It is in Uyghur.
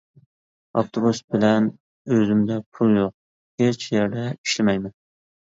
ئاپتوبۇس بىلەن. ئۆزۈمدە پۇل يوق، ھېچ يەردە ئىشلىمەيمەن.